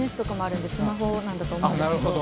なんだと思うんですけど。